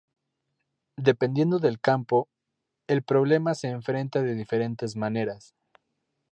Dependiendo del campo, el problema se enfrenta de diferentes maneras.